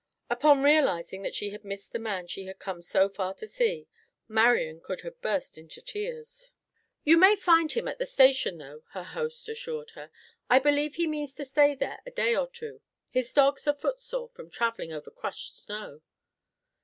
Upon realizing that she had missed the man she had come so far to see, Marian could have burst into tears. "You may find him at the Station, though," her host assured her. "I believe he means to stay there a day or two. His dogs are footsore from travelling over crusted snow."